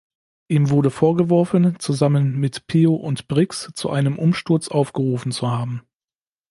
Ihm wurde vorgeworfen, zusammen mit Pio und Brix zu einem Umsturz aufgerufen zu haben.